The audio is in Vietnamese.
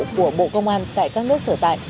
của bộ công an tại các nước sở tại